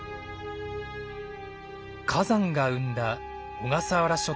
火山が生んだ小笠原諸島。